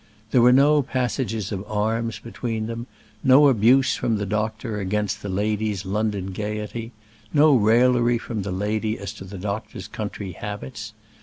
There were no passages of arms between them; no abuse from the doctor against the lady's London gaiety; no raillery from the lady as to the doctor's country habits.